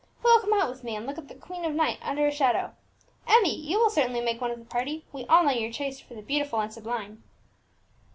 Who will come out with me and look at the queen of night under a shadow? Emmie, you will certainly make one of the party; we all know your taste for the beautiful and sublime."